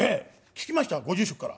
聞きましたご住職から。